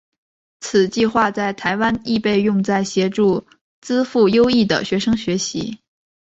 此计画在台湾亦被用在协助资赋优异的学生学习。